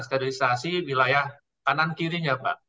sterilisasi wilayah kanan kirinya mbak